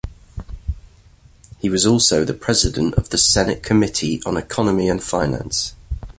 He was also the President of the Senate Committee on Economy and Finance.